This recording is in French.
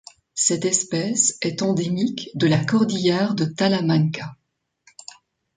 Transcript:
Cette espèce est endémique de la cordillère de Talamanca.